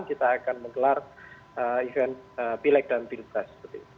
kita akan menggelar event pilek dan pilpres